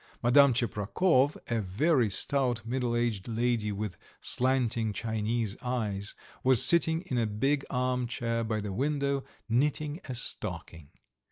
Madame Tcheprakov, a very stout middle aged lady with slanting Chinese eyes, was sitting in a big arm chair by the window, knitting a stocking.